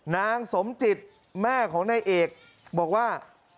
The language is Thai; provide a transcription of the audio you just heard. นางสมจิตแม่ของนายเอกบอกว่า